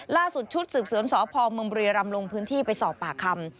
ล่าสุดชุดสืบเสริมสพมบริรำลงพื้นที่ไปสอบปากคำ